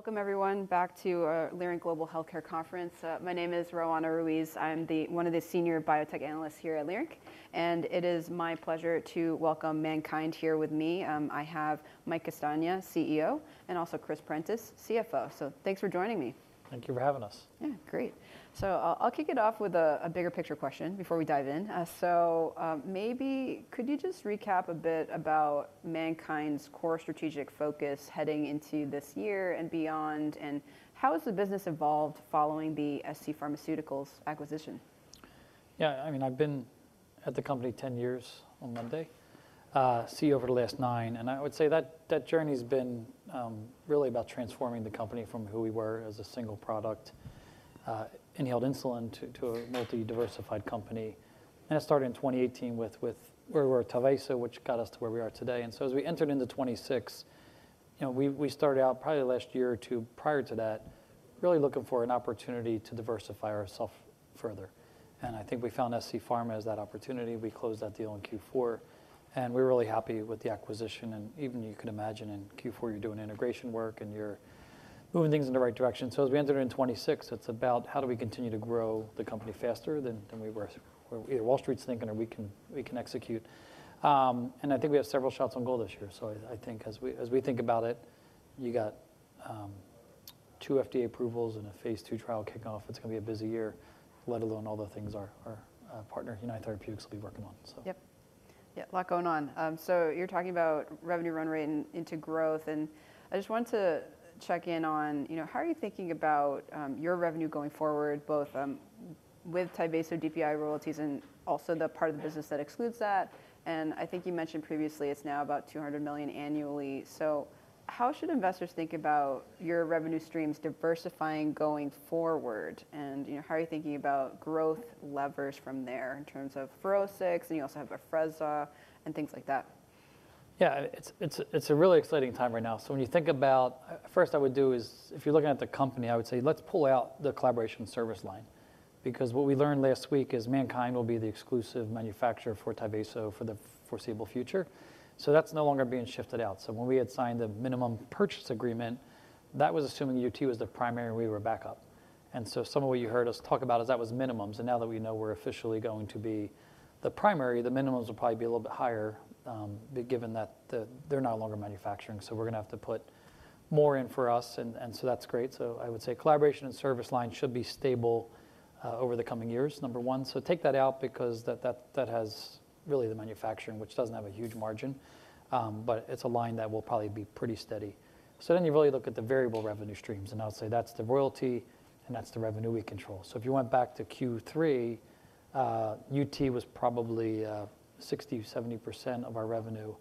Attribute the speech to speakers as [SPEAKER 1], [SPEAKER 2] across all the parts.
[SPEAKER 1] Welcome everyone back to Leerink Global Healthcare Conference. My name is Roanna Ruiz. I'm one of the senior biotech analysts here at Leerink, and it is my pleasure to welcome MannKind here with me. I have Mike Castagna, CEO, and also Chris Prentiss, CFO. Thanks for joining me.
[SPEAKER 2] Thank you for having us.
[SPEAKER 1] Yeah. Great. I'll kick it off with a bigger picture question before we dive in. Maybe could you just recap a bit about MannKind's core strategic focus heading into this year and beyond? And how has the business evolved following the scPharmaceuticals acquisition?
[SPEAKER 2] Yeah, I mean, I've been at the company 10 years on Monday, CEO over the last nine. I would say that that journey's been really about transforming the company from who we were as a single product, inhaled insulin to a multi-diversified company. It started in 2018 with where we were at Tyvaso, which got us to where we are today. As we entered into 2026, you know, we started out probably the last year or two prior to that, really looking for an opportunity to diversify ourself further. I think we found scPharmaceuticals as that opportunity. We closed that deal in Q4, and we're really happy with the acquisition. Even you can imagine in Q4, you're doing integration work, and you're moving things in the right direction. As we entered in 2026, it's about how do we continue to grow the company faster than we were Wall Street's thinking, or we can execute. I think we have several shots on goal this year. I think as we think about it, you got two FDA approvals and a phase II trial kickoff. It's gonna be a busy year, let alone all the things our partner, United Therapeutics, will be working on.
[SPEAKER 1] Yep. Yeah, a lot going on. So you're talking about revenue run rate and unit growth. I just want to check in on, you know, how are you thinking about your revenue going forward, both with Tyvaso DPI royalties and also the part of the business that excludes that? I think you mentioned previously it's now about $200 million annually. So how should investors think about your revenue streams diversifying going forward? You know, how are you thinking about growth levers from there in terms of FUROSCIX®, and you also have Afrezza and things like that?
[SPEAKER 2] Yeah. It's a really exciting time right now. When you think about first I would do is, if you're looking at the company, I would say let's pull out the collaboration service line because what we learned last week is MannKind will be the exclusive manufacturer for Tyvaso for the foreseeable future. That's no longer being shifted out. When we had signed the minimum purchase agreement, that was assuming UT was the primary, and we were backup. Some of what you heard us talk about is that was minimums. Now that we know we're officially going to be the primary, the minimums will probably be a little bit higher, given that they're no longer manufacturing. We're gonna have to put more in for us and so that's great. I would say collaboration and service line should be stable over the coming years, number one. Take that out because that has really the manufacturing, which doesn't have a huge margin, but it's a line that will probably be pretty steady. Then you really look at the variable revenue streams, and I would say that's the royalty, and that's the revenue we control. If you went back to Q3, UT was probably 60%-70% of our revenue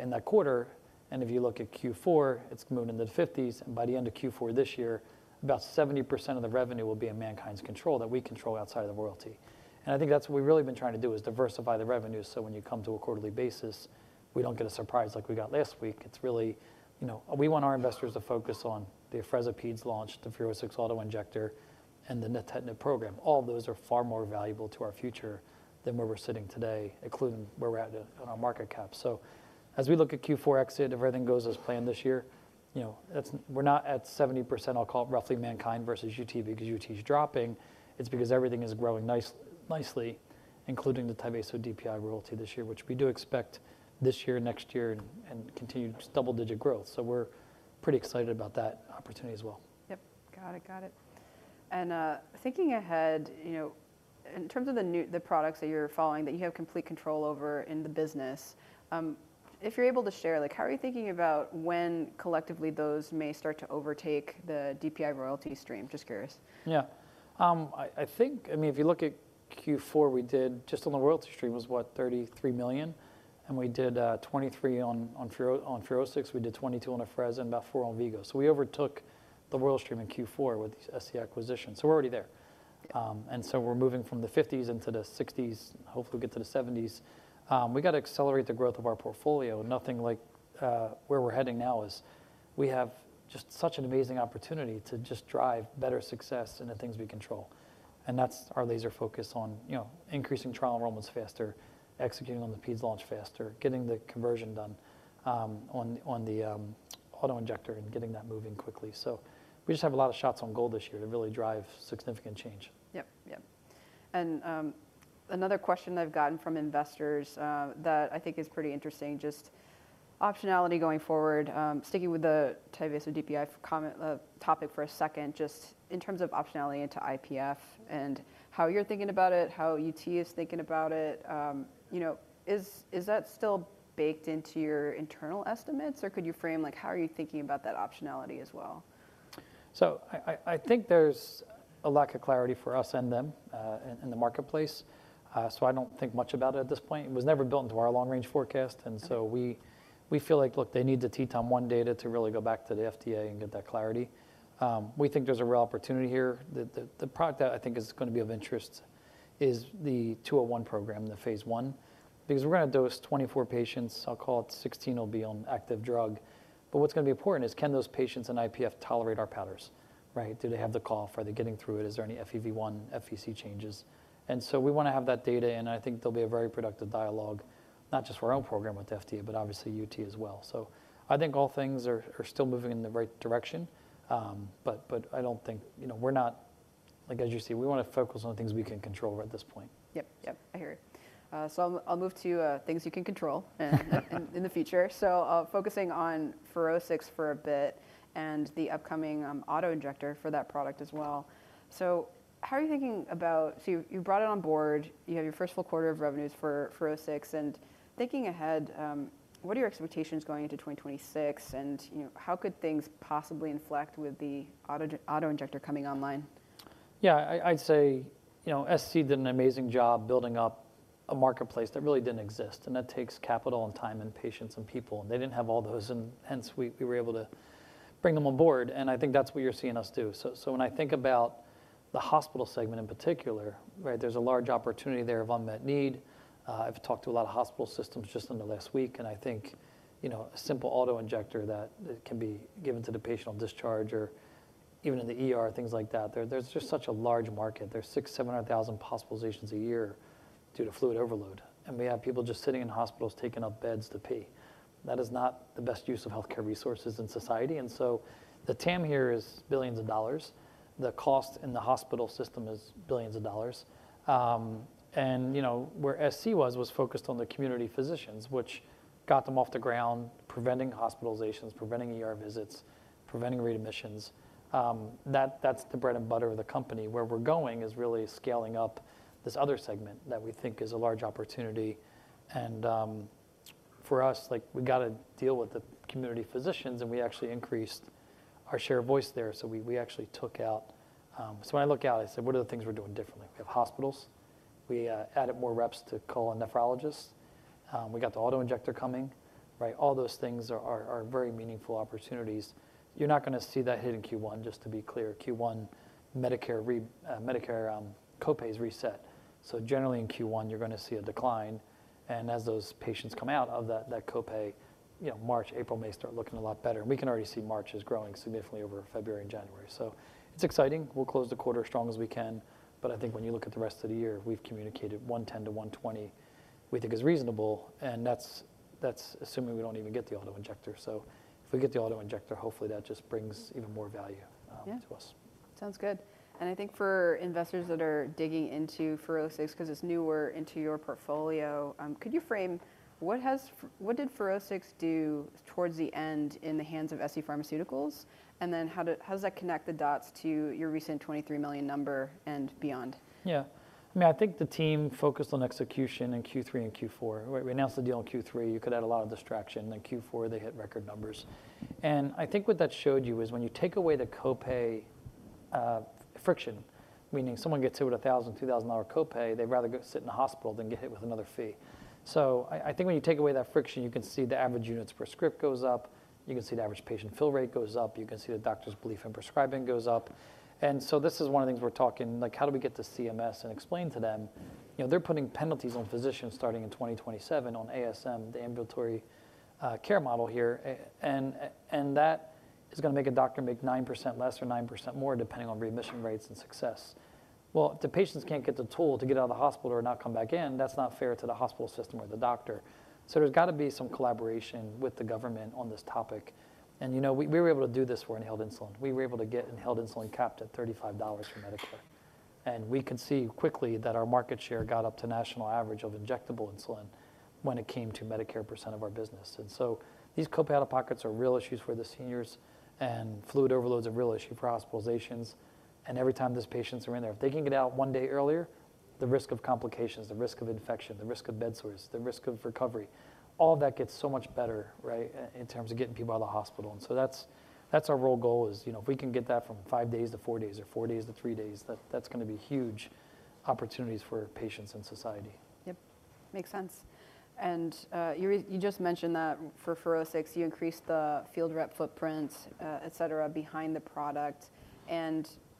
[SPEAKER 2] in that quarter. If you look at Q4, it's moving into the fifties. By the end of Q4 this year, about 70% of the revenue will be in MannKind's control, that we control outside of the royalty. I think that's what we've really been trying to do, is diversify the revenue, so when you come to a quarterly basis, we don't get a surprise like we got last week. It's really, you know, we want our investors to focus on the Afrezza Peds launch, the FUROSCIX® auto-injector, and the nintedanib program. All of those are far more valuable to our future than where we're sitting today, including where we're at on our market cap. As we look at Q4 exit, if everything goes as planned this year, you know, it's we're not at 70%, I'll call it roughly MannKind versus UT because UT is dropping. It's because everything is growing nicely, including the Tyvaso DPI royalty this year, which we do expect this year, next year, and continued just double-digit growth. We're pretty excited about that opportunity as well.
[SPEAKER 1] Yep. Got it. Thinking ahead, you know, in terms of the products that you're following, that you have complete control over in the business, if you're able to share, like, how are you thinking about when collectively those may start to overtake the DPI royalty stream? Just curious.
[SPEAKER 2] I think, I mean, if you look at Q4, we did just on the royalty stream was, what, $33 million, and we did $23 million on FUROSCIX®, we did $22 million on Afrezza and about $4 million on V-Go. We overtook the royalty stream in Q4 with the SC acquisition, so we're already there. We're moving from the 50s into the 60s, hopefully get to the 70s. We gotta accelerate the growth of our portfolio. Nothing like where we're heading now is we have just such an amazing opportunity to just drive better success in the things we control. That's our laser focus on, you know, increasing trial enrollments faster, executing on the Peds launch faster, getting the conversion done on the auto-injector and getting that moving quickly. We just have a lot of shots on goal this year to really drive significant change.
[SPEAKER 1] Another question I've gotten from investors that I think is pretty interesting, just optionality going forward, sticking with the Tyvaso DPI for a second, just in terms of optionality into IPF and how you're thinking about it, how UT is thinking about it, you know, is that still baked into your internal estimates, or could you frame, like, how are you thinking about that optionality as well?
[SPEAKER 2] I think there's a lack of clarity for us and them in the marketplace. I don't think much about it at this point. It was never built into our long-range forecast, and we feel like, look, they need the TETON-1 data to really go back to the FDA and get that clarity. We think there's a real opportunity here. The product that I think is gonna be of interest is the 201 program, the phase one, because we're gonna dose 24 patients. I'll call it 16 will be on active drug. But what's gonna be important is can those patients in IPF tolerate our powders, right? Do they have the cough? Are they getting through it? Is there any FEV1, FVC changes? We wanna have that data, and I think there'll be a very productive dialogue, not just for our own program with the FDA, but obviously UT as well. I think all things are still moving in the right direction. I don't think, you know, we're not like as you see, we wanna focus on things we can control right at this point.
[SPEAKER 1] Yep. Yep. I hear you. I'll move to things you can control in the future. Focusing on FUROSCIX® for a bit and the upcoming auto-injector for that product as well. How are you thinking about you brought it on board, you had your first full quarter of revenues for FUROSCIX®, and thinking ahead, what are your expectations going into 2026 and, you know, how could things possibly inflect with the auto-injector coming online?
[SPEAKER 2] Yeah. I'd say, you know, SC did an amazing job building up a marketplace that really didn't exist, and that takes capital and time and patience and people, and they didn't have all those. Hence, we were able to bring them on board, and I think that's what you're seeing us do. When I think about the hospital segment in particular, right? There's a large opportunity there of unmet need. I've talked to a lot of hospital systems just in the last week, and I think, you know, a simple auto-injector that can be given to the patient on discharge or even in the ER, things like that, there's just such a large market. There's 600,000-700,000 hospitalizations a year due to fluid overload, and we have people just sitting in hospitals taking up beds to pee. That is not the best use of healthcare resources in society. The TAM here is billions of dollars. The cost in the hospital system is billions of dollars. You know, where SC was focused on the community physicians, which got them off the ground, preventing hospitalizations, preventing ER visits, preventing readmissions, that's the bread and butter of the company. Where we're going is really scaling up this other segment that we think is a large opportunity. For us, like, we gotta deal with the community physicians, and we actually increased our share of voice there. We actually took out. When I look out, I say, "What are the things we're doing differently?" We have hospitals. We added more reps to call a nephrologist. We got the auto-injector coming, right? All those things are very meaningful opportunities. You're not gonna see that hit in Q1, just to be clear. Q1 Medicare copay is reset. Generally in Q1 you're gonna see a decline, and as those patients come out of that copay, you know, March, April, May start looking a lot better. We can already see March is growing significantly over February and January. It's exciting. We'll close the quarter strong as we can. I think when you look at the rest of the year, we've communicated $110-$120 we think is reasonable, and that's assuming we don't even get the auto-injector. If we get the auto-injector, hopefully that just brings even more value.
[SPEAKER 1] Yeah
[SPEAKER 2] To us.
[SPEAKER 1] Sounds good. I think for investors that are digging into FUROSCIX® 'cause it's newer into your portfolio, could you frame what FUROSCIX® did towards the end in the hands of scPharmaceuticals? Then how does that connect the dots to your recent $23 million number and beyond?
[SPEAKER 2] Yeah. I mean, I think the team focused on execution in Q3 and Q4. We announced the deal in Q3. It could add a lot of distraction. In Q4, they hit record numbers. I think what that showed you is when you take away the copay friction, meaning someone gets hit with a $1,000-$2,000 copay, they'd rather go sit in the hospital than get hit with another fee. I think when you take away that friction, you can see the average units per script goes up. You can see the average patient fill rate goes up. You can see the doctor's belief in prescribing goes up. This is one of the things we're talking, like how do we get to CMS and explain to them, you know, they're putting penalties on physicians starting in 2027 on ASM, the ambulatory specialty model here. And that is gonna make a doctor make 9% less or 9% more depending on readmission rates and success. Well, if the patients can't get the tool to get out of the hospital or not come back in, that's not fair to the hospital system or the doctor. There's gotta be some collaboration with the government on this topic. And you know, we were able to do this for inhaled insulin. We were able to get inhaled insulin capped at $35 for Medicare. We can see quickly that our market share got up to national average of injectable insulin when it came to Medicare percent of our business. These copay out-of-pockets are real issues for the seniors, and fluid overload's a real issue for hospitalizations. Every time those patients are in there, if they can get out one day earlier, the risk of complications, the risk of infection, the risk of bed sores, the risk of recovery, all that gets so much better, right, in terms of getting people out of the hospital. That's our real goal is, you know, if we can get that from five days to four days or four days to three days, that's gonna be huge opportunities for patients and society.
[SPEAKER 1] Yep. Makes sense. You just mentioned that for FUROSCIX®, you increased the field rep footprint, et cetera, behind the product.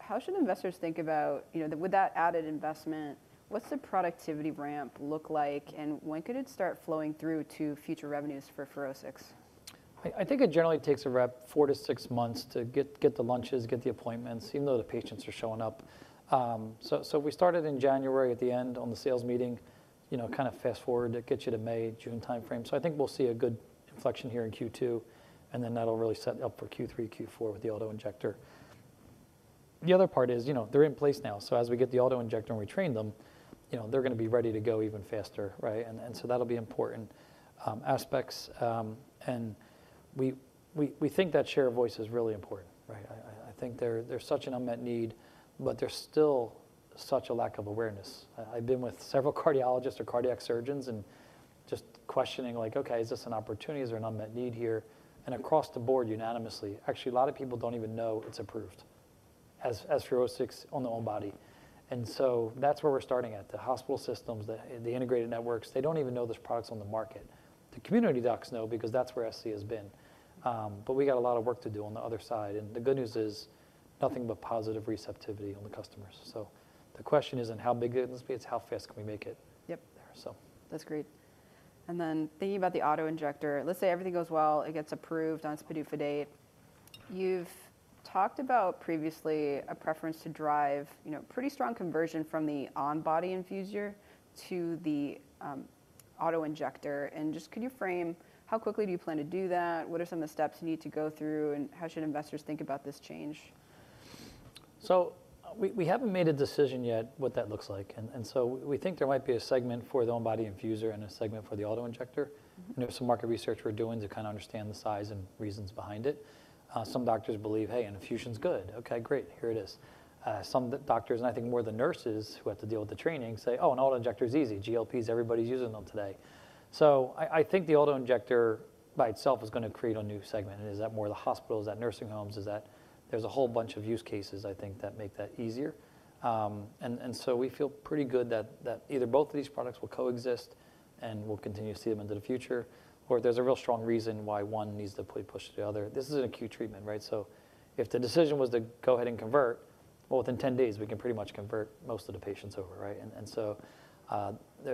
[SPEAKER 1] How should investors think about, you know, with that added investment, what's the productivity ramp look like, and when could it start flowing through to future revenues for FUROSCIX®?
[SPEAKER 2] I think it generally takes a rep four to six months to get the lunches, get the appointments, even though the patients are showing up. We started in January at the end of the sales meeting, you know, kind of fast forward, that gets you to May-June timeframe. I think we'll see a good inflection here in Q2, and then that'll really set up for Q3-Q4 with the auto-injector. The other part is, you know, they're in place now. As we get the auto-injector and we train them, you know, they're gonna be ready to go even faster, right? That'll be important aspects. We think that share of voice is really important, right? I think there's such an unmet need, but there's still such a lack of awareness. I've been with several cardiologists or cardiac surgeons and just questioning like, "Okay, is this an opportunity? Is there an unmet need here?" Across the board unanimously, actually, a lot of people don't even know it's approved as FUROSCIX® on-body. That's where we're starting at, the hospital systems, the integrated networks. They don't even know this product's on the market. The community docs know because that's where SC has been. But we got a lot of work to do on the other side, and the good news is nothing but positive receptivity on the customers. The question isn't how big it is gonna be, it's how fast can we make it.
[SPEAKER 1] Yep
[SPEAKER 2] There.
[SPEAKER 1] That's great. Thinking about the auto-injector, let's say everything goes well, it gets approved on its PDUFA date. You've talked about previously a preference to drive, you know, pretty strong conversion from the on-body infuser to the auto-injector. Just could you frame how quickly do you plan to do that? What are some of the steps you need to go through, and how should investors think about this change?
[SPEAKER 2] We haven't made a decision yet what that looks like. We think there might be a segment for the on-body infuser and a segment for the auto-injector. You know, some market research we're doing to kinda understand the size and reasons behind it. Some doctors believe, "Hey, an infusion's good. Okay, great, here it is." Some doctors, and I think more the nurses who have to deal with the training say, "Oh, an auto-injector is easy. GLP-1s, everybody's using them today." I think the auto-injector by itself is gonna create a new segment. Is that more the hospitals? Is that nursing homes? There's a whole bunch of use cases, I think, that make that easier. We feel pretty good that either both of these products will coexist, and we'll continue to see them into the future, or there's a real strong reason why one needs to fully push the other. This is an acute treatment, right? If the decision was to go ahead and convert, well, within 10 days, we can pretty much convert most of the patients over, right?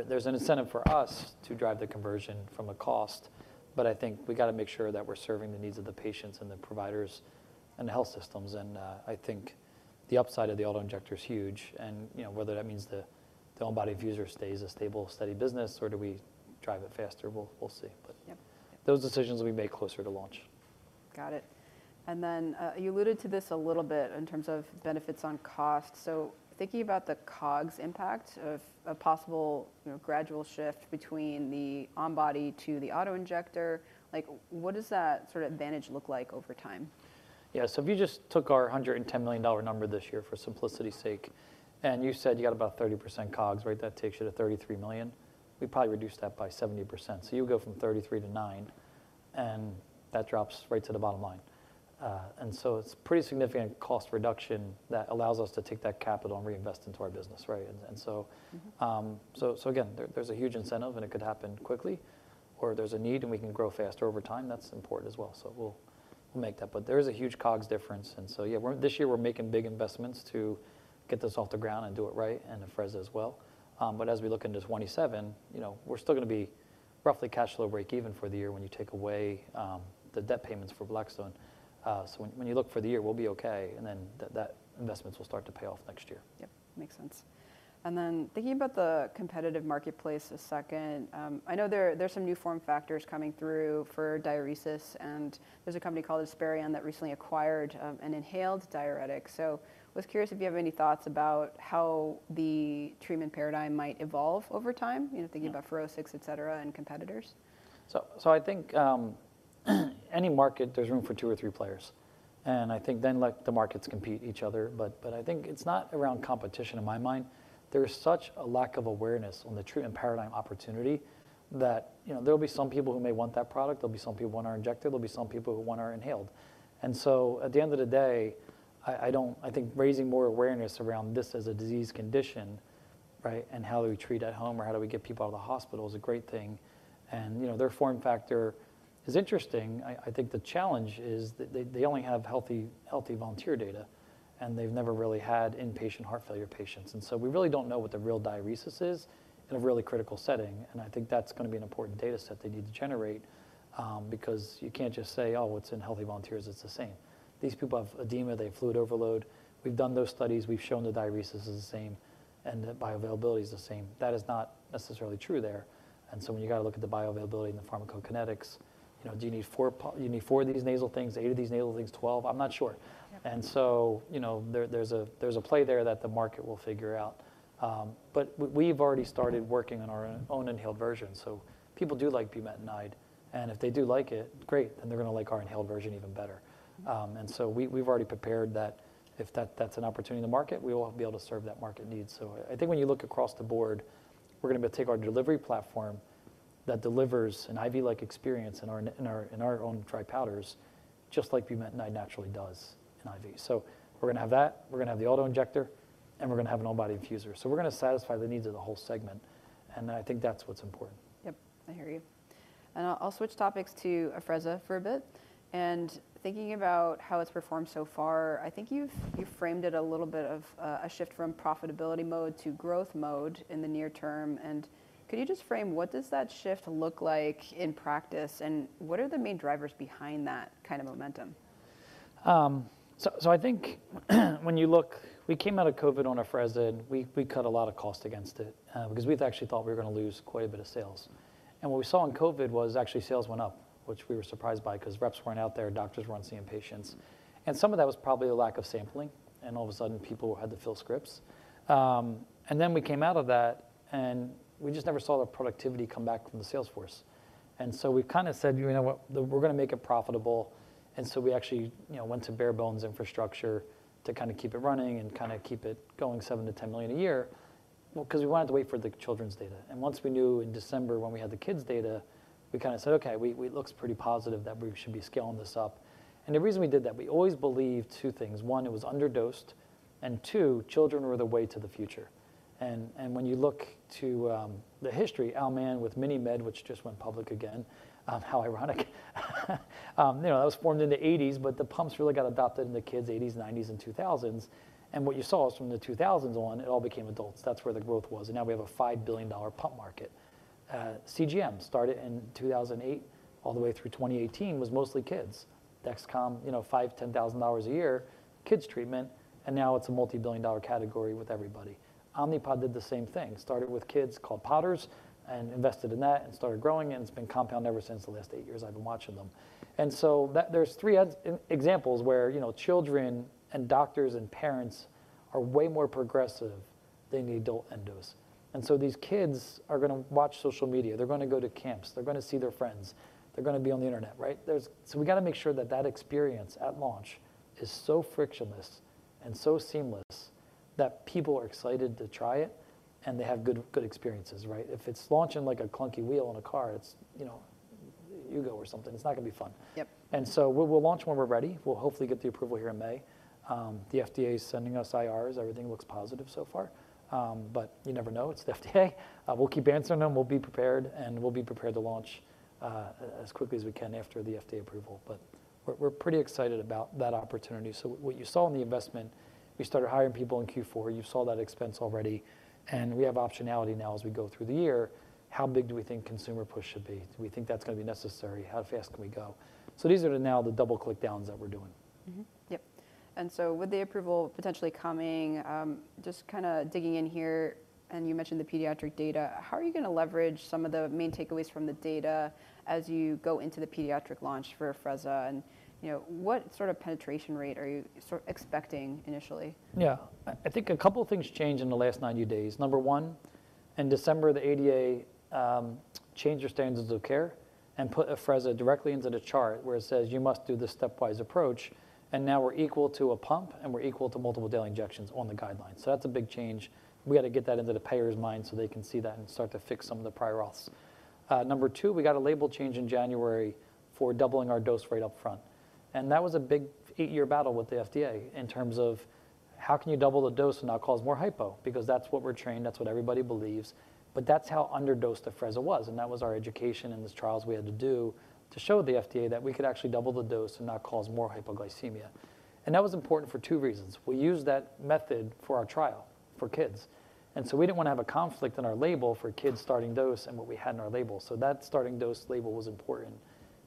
[SPEAKER 2] There's an incentive for us to drive the conversion from a cost, but I think we gotta make sure that we're serving the needs of the patients and the providers and the health systems. I think the upside of the auto-injector is huge. You know, whether that means the on-body infuser stays a stable, steady business, or do we drive it faster, we'll see.
[SPEAKER 1] Yep.
[SPEAKER 2] Those decisions will be made closer to launch.
[SPEAKER 1] Got it. You alluded to this a little bit in terms of benefits on cost. Thinking about the COGS impact of a possible, you know, gradual shift between the on-body to the auto-injector, like, what does that sort of advantage look like over time?
[SPEAKER 2] Yeah. If you just took our $110 million number this year for simplicity's sake, and you said you got about 30% COGS, right? That takes you to $33 million. We probably reduced that by 70%. You'll go from $33 to $9, and that drops right to the bottom line. It's pretty significant cost reduction that allows us to take that capital and reinvest into our business, right?
[SPEAKER 1] Mm-hmm.
[SPEAKER 2] Again, there's a huge incentive, and it could happen quickly, or there's a need, and we can grow faster over time. That's important as well. We'll make that. There is a huge COGS difference. Yeah, this year we're making big investments to get this off the ground and do it right, and Afrezza as well. As we look into 2027, you know, we're still gonna be roughly cash flow break even for the year when you take away the debt payments for Blackstone. When you look for the year, we'll be okay, and then that investments will start to pay off next year.
[SPEAKER 1] Yep. Makes sense. Thinking about the competitive marketplace a second, I know there's some new form factors coming through for diuresis, and there's a company called Esperion that recently acquired an inhaled diuretic. I was curious if you have any thoughts about how the treatment paradigm might evolve over time, you know, thinking about FUROSCIX®, et cetera, and competitors.
[SPEAKER 2] I think any market, there's room for two or three players. I think then let the markets compete each other but I think it's not around competition in my mind. There is such a lack of awareness on the treatment paradigm opportunity that, you know, there'll be some people who may want that product, there'll be some people who want our injector, there'll be some people who want our inhaled. At the end of the day, I don't. I think raising more awareness around this as a disease condition, right, and how do we treat at home or how do we get people out of the hospital is a great thing. You know, their form factor is interesting. I think the challenge is that they only have healthy volunteer data, and they've never really had inpatient heart failure patients. We really don't know what the real diuresis is in a really critical setting, and I think that's gonna be an important data set they need to generate, because you can't just say, "Oh, what's in healthy volunteers, it's the same." These people have edema, they have fluid overload. We've done those studies. We've shown the diuresis is the same and that bioavailability is the same. That is not necessarily true there. When you gotta look at the bioavailability and the pharmacokinetics, you know, do you need four of these nasal things, eight of these nasal things, 12? I'm not sure.
[SPEAKER 1] Yeah.
[SPEAKER 2] You know, there's a play there that the market will figure out. We've already started working on our own inhaled version. People do like bumetanide, and if they do like it, great, then they're gonna like our inhaled version even better. We've already prepared that if that's an opportunity in the market, we will be able to serve that market need. I think when you look across the board, we're gonna be taking our delivery platform that delivers an IV-like experience in our own dry powders, just like bumetanide naturally does in IV. We're gonna have that, we're gonna have the auto-injector, and we're gonna have an on-body infuser. We're gonna satisfy the needs of the whole segment, and I think that's what's important.
[SPEAKER 1] Yep. I hear you. I'll switch topics to Afrezza for a bit. Thinking about how it's performed so far, I think you've framed it a little bit of a shift from profitability mode to growth mode in the near term. Could you just frame what does that shift look like in practice, and what are the main drivers behind that kind of momentum?
[SPEAKER 2] I think when you look, we came out of COVID on Afrezza, and we cut a lot of cost against it, because we actually thought we were gonna lose quite a bit of sales. What we saw in COVID was actually sales went up, which we were surprised by because reps weren't out there, doctors weren't seeing patients. Some of that was probably the lack of sampling, and all of a sudden people had to fill scripts. Then we came out of that, and we just never saw the productivity come back from the sales force. We kind of said, "You know what? We're gonna make it profitable." We actually, you know, went to bare bones infrastructure to kind of keep it running and kind of keep it going $7 million-$10 million a year, well, 'cause we wanted to wait for the children's data. Once we knew in December when we had the kids' data, we kind of said, "Okay, it looks pretty positive that we should be scaling this up." The reason we did that, we always believed two things. One, it was underdosed, and two, children were the way to the future. When you look to the history, Alfred Mann with MiniMed, which just went public again, how ironic. You know, that was formed in the 1980s, but the pumps really got adopted in the kids' 1980s, 1990s, and 2000s. What you saw is from the 2000s on, it all became adults. That's where the growth was, and now we have a $5 billion pump market. CGM started in 2008 all the way through 2018 was mostly kids. Dexcom, you know, $5,000-$10,000 a year kids treatment, and now it's a multi-billion dollar category with everybody. Omnipod did the same thing. Started with kids, called podders, and invested in that and started growing, and it's been compound ever since the last eight years I've been watching them. That there's three examples where, you know, children and doctors and parents are way more progressive than the adult endos. These kids are gonna watch social media. They're gonna go to camps. They're gonna see their friends. They're gonna be on the internet, right? We gotta make sure that that experience at launch is so frictionless and so seamless that people are excited to try it and they have good experiences, right? If it's launching like a clunky wheel on a car, it's, you know, Yugo or something, it's not gonna be fun.
[SPEAKER 1] Yep.
[SPEAKER 2] We'll launch when we're ready. We'll hopefully get the approval here in May. The FDA's sending us IRs. Everything looks positive so far. But you never know, it's the FDA. We'll keep answering them, we'll be prepared to launch as quickly as we can after the FDA approval. But we're pretty excited about that opportunity. So what you saw in the investment, we started hiring people in Q4. You saw that expense already, and we have optionality now as we go through the year. How big do we think consumer push should be? Do we think that's gonna be necessary? How fast can we go? So these are now the double click downs that we're doing.
[SPEAKER 1] With the approval potentially coming, just kinda digging in here, and you mentioned the pediatric data, how are you gonna leverage some of the main takeaways from the data as you go into the pediatric launch for Afrezza? You know, what sort of penetration rate are you sort of expecting initially?
[SPEAKER 2] Yeah. I think a couple things changed in the last 90 days. Number one, in December, the ADA changed their standards of care and put Afrezza directly into the chart where it says, "You must do this stepwise approach," and now we're equal to a pump and we're equal to multiple daily injections on the guidelines. That's a big change. We gotta get that into the payer's mind so they can see that and start to fix some of the prior auths. Number two, we got a label change in January for doubling our dose right up front, and that was a big 8-year battle with the FDA in terms of how can you double the dose and not cause more hypo? Because that's what we're trained, that's what everybody believes, but that's how underdosed Afrezza was and that was our education and these trials we had to do to show the FDA that we could actually double the dose and not cause more hypoglycemia. That was important for two reasons. We used that method for our trial for kids, and so we didn't wanna have a conflict in our label for kids starting dose and what we had in our label. That starting dose label was important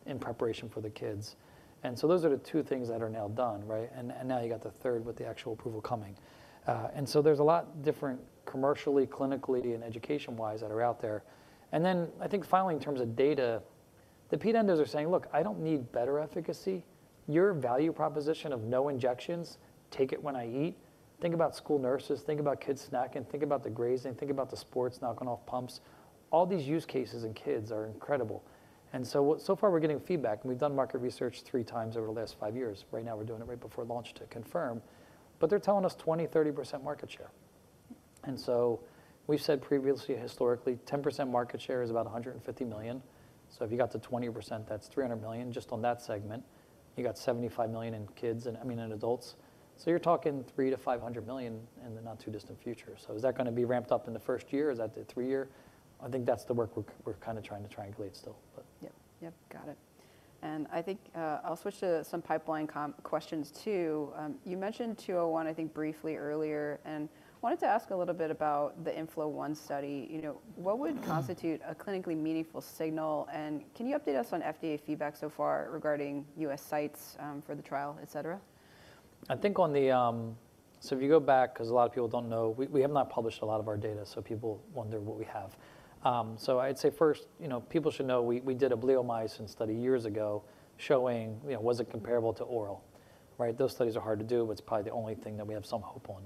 [SPEAKER 2] in preparation for the kids. Those are the two things that are now done, right? Now you got the third with the actual approval coming. There's a lot different commercially, clinically, and education-wise that are out there. I think finally, in terms of data, the ped endos are saying, "Look, I don't need better efficacy. Your value proposition of no injections, take it when I eat." Think about school nurses, think about kids snacking, think about the grazing, think about the sports knocking off pumps. All these use cases in kids are incredible. So far we're getting feedback, and we've done market research three times over the last five years. Right now we're doing it right before launch to confirm. They're telling us 20%-30% market share. We've said previously, historically, 10% market share is about $150 million. If you got to 20%, that's $300 million just on that segment. You got $75 million in kids and, I mean, in adults. You're talking $300 million-$500 million in the not too distant future. Is that gonna be ramped up in the first year? Is that the three-year? I think that's the work we're kinda trying to triangulate still, but.
[SPEAKER 1] Yep. Yep, got it. I think I'll switch to some pipeline questions too. You mentioned 201 I think briefly earlier, and wanted to ask a little bit about the INFLO-1 study. You know, what would constitute a clinically meaningful signal, and can you update us on FDA feedback so far regarding U.S. sites for the trial, et cetera?
[SPEAKER 2] I think on the, if you go back, 'cause a lot of people don't know, we have not published a lot of our data, so people wonder what we have. I'd say first, you know, people should know we did a bleomycin study years ago showing, you know, was it comparable to oral, right? Those studies are hard to do, but it's probably the only thing that we have some hope on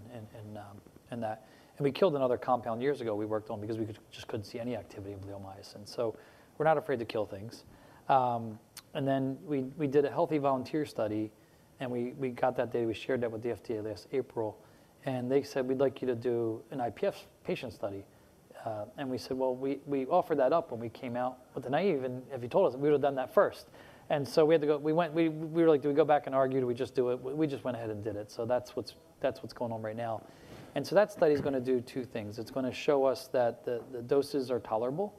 [SPEAKER 2] in that. We killed another compound years ago we worked on because we just couldn't see any activity in bleomycin. We're not afraid to kill things. Then we did a healthy volunteer study, and we got that data, we shared that with the FDA this April, and they said, "We'd like you to do an IPF patient study." We said, well, we offered that up when we came out with the Naïve, and if you told us, we would've done that first. We had to go. We went, we were like, "Do we go back and argue? Do we just do it?" We just went ahead and did it. That's what's going on right now. That study's gonna do two things. It's gonna show us that the doses are tolerable,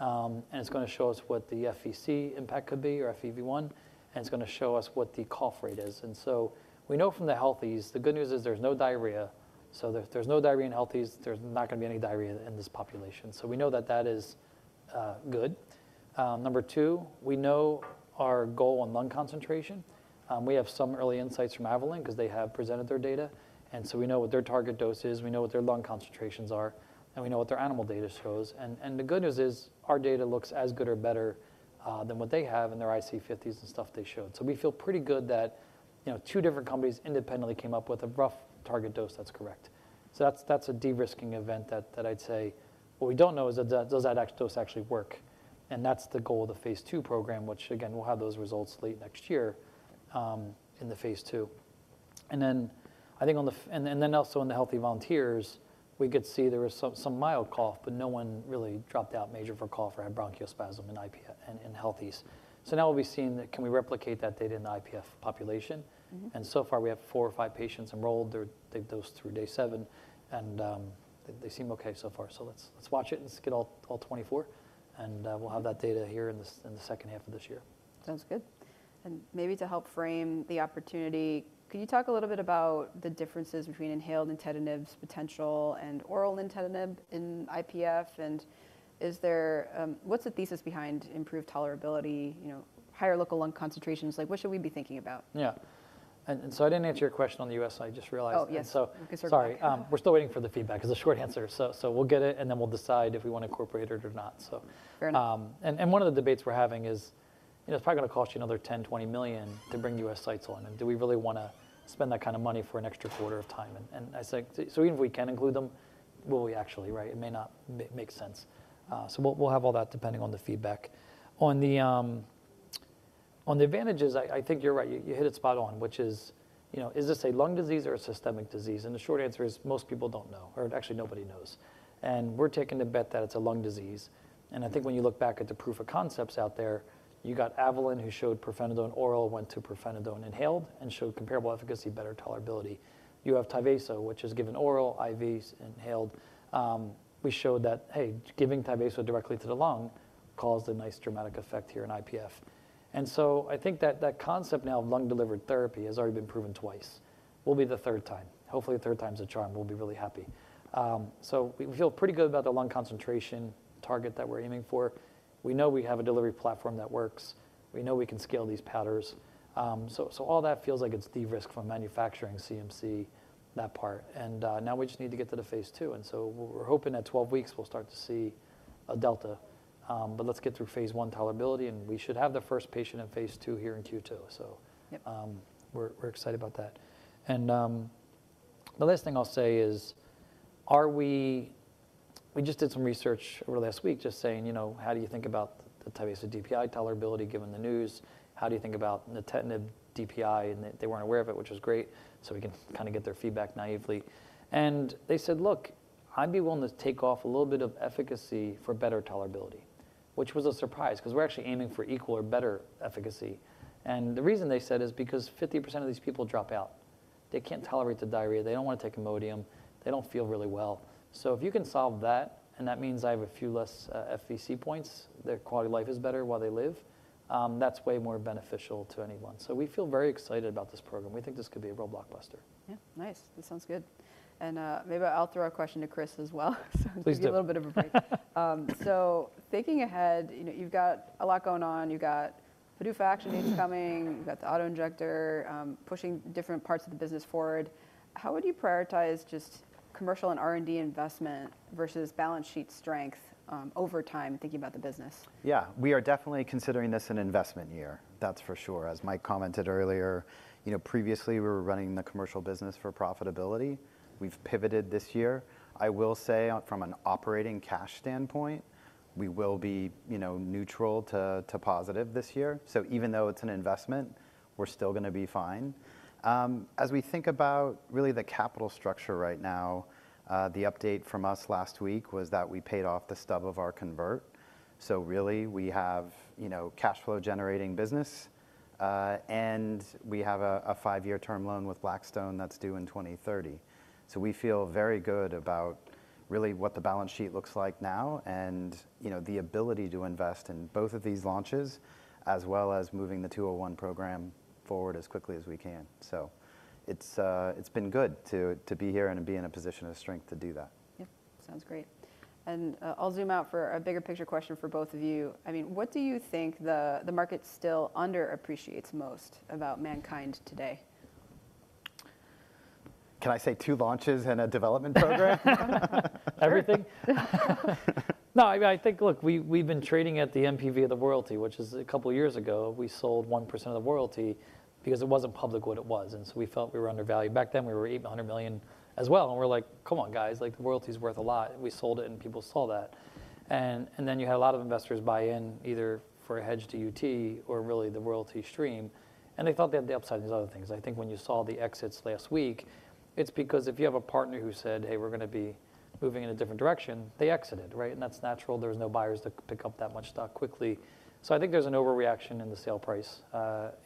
[SPEAKER 2] and it's gonna show us what the FVC impact could be or FEV1, and it's gonna show us what the cough rate is. We know from the healthies the good news is there's no diarrhea, so if there's no diarrhea in healthies, there's not gonna be any diarrhea in this population. We know that that is good. Number two, we know our goal on lung concentration. We have some early insights from Avalyn 'cause they have presented their data, and so we know what their target dose is, we know what their lung concentrations are, and we know what their animal data shows. The good news is our data looks as good or better than what they have in their IC50s and stuff they showed. We feel pretty good that, you know, two different companies independently came up with a rough target dose that's correct. That's a de-risking event that I'd say. What we don't know is, does that dose actually work, and that's the goal of the phase II program, which again, we'll have those results late next year in the phase II. Then I think and then also in the healthy volunteers, we could see there was some mild cough, but no one really dropped out major for cough or had bronchospasm in healthies. Now we'll be seeing, can we replicate that data in the IPF population.
[SPEAKER 1] Mm-hmm.
[SPEAKER 2] So far we have four or five patients enrolled. They've dosed through day seven and they seem okay so far. Let's watch it. Let's get all 24 and we'll have that data here in the second half of this year.
[SPEAKER 1] Sounds good. Maybe to help frame the opportunity, could you talk a little bit about the differences between inhaled nintedanib's potential and oral nintedanib in IPF, and is there, what's the thesis behind improved tolerability, you know, higher local lung concentrations? Like, what should we be thinking about?
[SPEAKER 2] Yeah, I didn't answer your question on the U.S., I just realized.
[SPEAKER 1] Oh, yes.
[SPEAKER 2] And so-
[SPEAKER 1] We can circle back.
[SPEAKER 2] Sorry. We're still waiting for the feedback is the short answer. We'll get it, and then we'll decide if we wanna incorporate it or not, so.
[SPEAKER 1] Fair enough.
[SPEAKER 2] One of the debates we're having is, you know, it's probably gonna cost you another $10 million-$20 million to bring U.S. sites on, and do we really wanna spend that kind of money for an extra quarter of time? I say, even if we can include them, will we actually, right? It may not make sense. We'll have all that depending on the feedback. On the advantages, I think you're right. You hit it spot on, which is, you know, is this a lung disease or a systemic disease? The short answer is most people don't know, or actually nobody knows. We're taking the bet that it's a lung disease, and I think when you look back at the proof of concepts out there, you got Avalyn, who showed pirfenidone oral, went to pirfenidone inhaled, and showed comparable efficacy, better tolerability. You have Tyvaso, which is given oral, IV, inhaled. We showed that, hey, giving Tyvaso directly to the lung caused a nice dramatic effect here in IPF. I think that concept now of lung-delivered therapy has already been proven twice. We'll be the third time. Hopefully, third time's the charm. We'll be really happy. We feel pretty good about the lung concentration target that we're aiming for. We know we have a delivery platform that works. We know we can scale these powders. All that feels like it's de-risked from manufacturing CMC, that part, and now we just need to get to the phase II. We're hoping at 12 weeks we'll start to see a delta, but let's get through phase one tolerability, and we should have the first patient in phase II here in Q2.
[SPEAKER 1] Yep
[SPEAKER 2] We're excited about that. The last thing I'll say is, we just did some research over the last week just saying, you know, how do you think about the Tyvaso DPI tolerability given the news? How do you think about nintedanib DPI? They weren't aware of it, which was great, so we can kinda get their feedback naively. They said, "Look, I'd be willing to take off a little bit of efficacy for better tolerability," which was a surprise 'cause we're actually aiming for equal or better efficacy. The reason they said is because 50% of these people drop out. They can't tolerate the diarrhea. They don't wanna take Imodium. They don't feel really well. If you can solve that, and that means I have a few less FVC points, their quality of life is better while they live, that's way more beneficial to anyone. We feel very excited about this program. We think this could be a real blockbuster.
[SPEAKER 1] Yeah. Nice. This sounds good. Maybe I'll throw a question to Chris as well.
[SPEAKER 3] Please do.
[SPEAKER 1] You get a little bit of a break. Thinking ahead, you know, you've got a lot going on. You've got the new factory that's coming. You've got the auto-injector, pushing different parts of the business forward. How would you prioritize just commercial and R&D investment versus balance sheet strength, over time, thinking about the business?
[SPEAKER 3] Yeah. We are definitely considering this an investment year, that's for sure. As Mike commented earlier, you know, previously we were running the commercial business for profitability. We've pivoted this year. I will say from an operating cash standpoint, we will be, you know, neutral to positive this year. Even though it's an investment, we're still gonna be fine. As we think about really the capital structure right now, the update from us last week was that we paid off the stub of our convert. Really we have, you know, cash flow generating business, and we have a five-year term loan with Blackstone that's due in 2030. We feel very good about really what the balance sheet looks like now and, you know, the ability to invest in both of these launches as well as moving the 201 program forward as quickly as we can. It's been good to be here and to be in a position of strength to do that.
[SPEAKER 1] Yeah. Sounds great. I'll zoom out for a bigger picture question for both of you. I mean, what do you think the market still underappreciates most about MannKind today?
[SPEAKER 3] Can I say two launches and a development program?
[SPEAKER 2] Everything.
[SPEAKER 1] Sure.
[SPEAKER 2] No, I mean, I think, look, we've been trading at the NPV of the royalty, which is a couple years ago we sold 1% of the royalty because it wasn't public what it was, and so we felt we were undervalued. Back then, we were $800 million as well, and we're like, "Come on, guys. Like, the royalty's worth a lot." We sold it, and people saw that. Then you had a lot of investors buy in either for a hedge to UT or really the royalty stream, and they thought they had the upside in these other things. I think when you saw the exits last week, it's because if you have a partner who said, "Hey, we're gonna be moving in a different direction," they exited, right? That's natural. There's no buyers to pick up that much stock quickly. I think there's an overreaction in the sale price.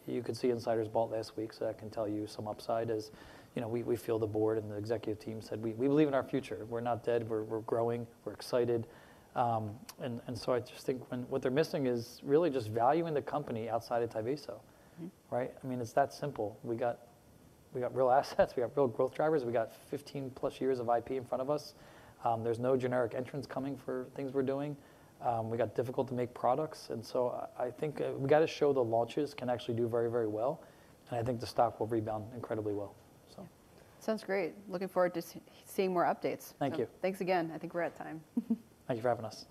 [SPEAKER 2] You could see insiders bought last week, so that can tell you some upside as we feel the board and the executive team said, "We believe in our future. We're not dead. We're growing. We're excited." I just think what they're missing is really just value in the company outside of Tyvaso.
[SPEAKER 1] Mm-hmm.
[SPEAKER 2] Right? I mean, it's that simple. We got real assets. We got real growth drivers. We got 15+ years of IP in front of us. There's no generic entrants coming for things we're doing. We got difficult to make products. I think we gotta show the launches can actually do very, very well, and I think the stock will rebound incredibly well.
[SPEAKER 1] Sounds great. Looking forward to seeing more updates.
[SPEAKER 2] Thank you.
[SPEAKER 1] Thanks again. I think we're out of time.
[SPEAKER 2] Thank you for having us.